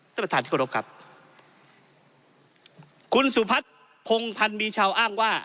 ท่านประธานที่เคารพครับคุณสุพัฒน์พงพันธ์มีชาวอ้างว่า